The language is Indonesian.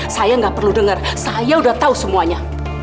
saya gak perlu denger saya udah tau semuanya